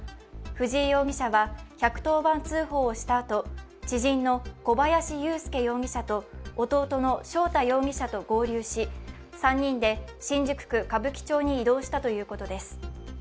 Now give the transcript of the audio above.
藤井容疑者は１１０番通報をしたあと知人の小林優介容疑者と弟の翔太容疑者と合流し３人で新宿区歌舞伎町に移動したということです。